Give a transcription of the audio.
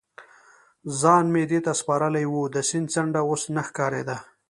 ځان مې دې ته سپارلی و، د سیند څنډه اوس نه ښکارېده.